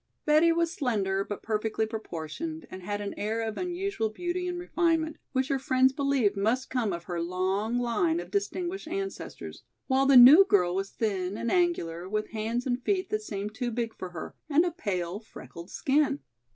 Betty was slender but perfectly proportioned and had an air of unusual beauty and refinement, which her friends believed must come of her long line of distinguished ancestors, while the new girl was thin and angular, with hands and feet that seemed too big for her, and a pale, freckled skin.